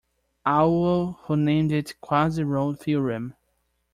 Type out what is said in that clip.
Aull, who named it Quasi-Rolle theorem.